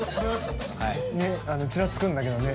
ちらつくんだけどね。